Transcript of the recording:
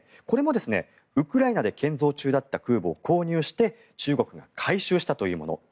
これもウクライナで建造中だった空母を購入して中国が改修したというもの。